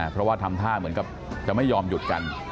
เพราะว่าทำท่าเหมือนกับจะไม่ยอมหยุดกัน